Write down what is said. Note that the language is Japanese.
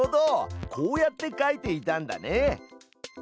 こうやって描いていたんだね。